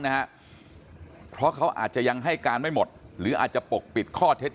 นะฮะเพราะเขาอาจจะยังให้การไม่หมดหรืออาจจะปกปิดข้อเท็จจริง